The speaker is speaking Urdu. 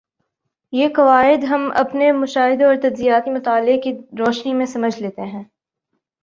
یہ قواعد ہم اپنے مشاہدے اور تجزیاتی مطالعے کی روشنی میں سمجھ لیتے ہیں